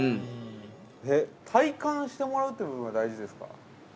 ◆体感してもらうっていう部分が大事ですか。